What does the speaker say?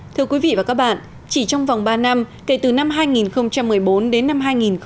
thưa quý vị và các bạn chỉ trong vòng ba năm kể từ năm hai nghìn một mươi bốn đến năm hai nghìn một mươi tám